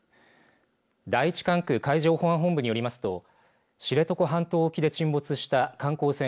第１管区海上保安本部によりますと知床半島沖で沈没した観光船